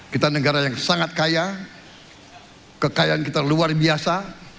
kita negara yang sangat kaya kekayaan kita luar biasa